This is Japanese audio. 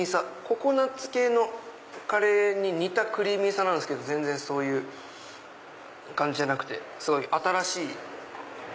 ココナツ系のカレーに似たクリーミーさなんですけど全然そういう感じじゃなくてすごい新しい。